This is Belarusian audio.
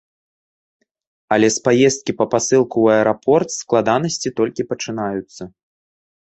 Але з паездкі па пасылку ў аэрапорт складанасці толькі пачынаюцца.